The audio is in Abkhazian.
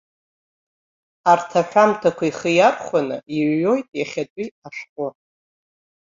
Арҭ аҳәамҭақәа ихы иархәаны иҩуеит иахьатәи ашәҟәы.